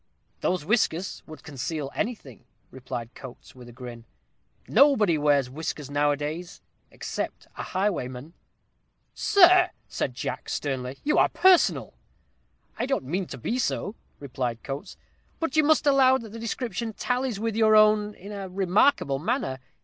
"Those whiskers would conceal anything," replied Coates, with a grin. "Nobody wears whiskers nowadays, except a highwayman." "Sir!" said Jack, sternly. "You are personal." "I don't mean to be so," replied Coates; "but you must allow the description tallies with your own in a remarkable manner.